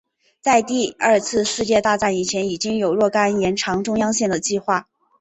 在第二次世界大战以前已经有若干延长中央线的计划。